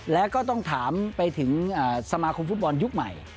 แล้วก็ต้องถามไปถึงสมาคมฟุตบอลยุคใหม่